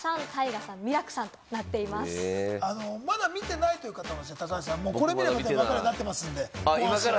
まだ見てないという方、高橋さん、これを見れば分かるようになってますから。